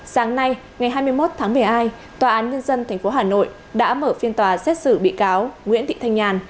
sáng nay ngày hai mươi một tháng một mươi hai tòa án nhân dân tp hà nội đã mở phiên tòa xét xử bị cáo nguyễn thị thanh nhàn